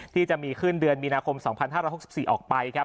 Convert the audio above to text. ที่จะมีขึ้นเดือนมีนาคม๒๕๖๔ออกไปครับ